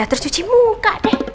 terus cuci muka deh